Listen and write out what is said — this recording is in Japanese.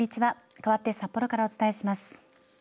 かわって札幌からお伝えします。